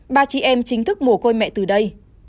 ba chị em chính thức mồ côi mẹ từ đây